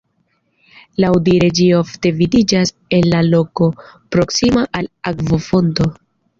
Laŭdire ĝi ofte vidiĝas en la loko proksima al akvofonto.